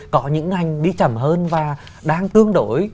có những ngành đi chậm hơn và đang tương đối